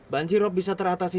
banjirop bisa teratasi